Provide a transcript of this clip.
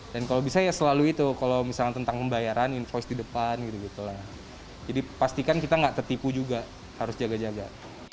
dan kalau bisa ya selalu itu kalau misalnya tentang pembayaran invoice di depan gitu lah jadi pastikan kita gak tertipu juga harus jaga jaga